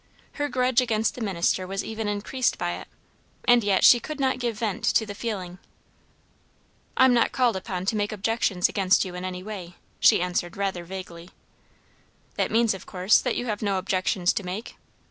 Her grudge against the minister was even increased by it, and yet she could not give vent to the feeling. "I'm not called upon to make objections against you in any way," she answered rather vaguely. "That means, of course, that you have no objections to make?"